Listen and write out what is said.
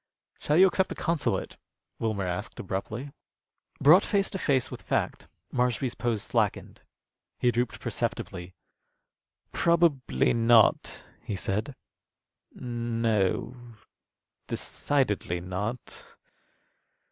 "Shall you accept the consulate?" Wilmer asked, abruptly. Brought face to face with fact, Marshby's pose slackened. He drooped perceptibly. "Probably not," he said. "No, decidedly not."